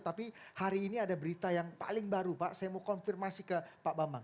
tapi hari ini ada berita yang paling baru pak saya mau konfirmasi ke pak bambang